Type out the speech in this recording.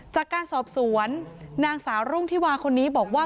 จากการสอบสวนนางสาวรุ่งที่วาคนนี้บอกว่า